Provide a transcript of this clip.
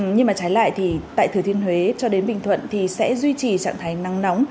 nhưng mà trái lại thì tại thừa thiên huế cho đến bình thuận thì sẽ duy trì trạng thái nắng nóng